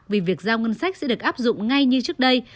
vì việc giao ngân sách sẽ được áp dụng ngay như trước đây